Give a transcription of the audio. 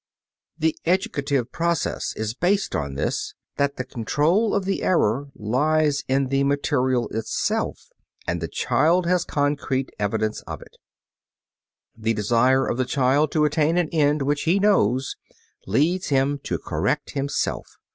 The educative process is based on this: that the control of the error lies in the material itself, and the child has concrete evidence of it. The desire of the child to attain an end which he knows, leads him to correct himself.